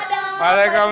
selamat siang ibu